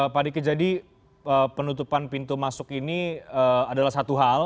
pak diki jadi penutupan pintu masuk ini adalah satu hal